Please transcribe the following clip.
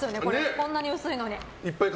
こんなに薄いのに。